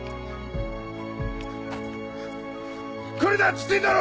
来るなっつってんだろ！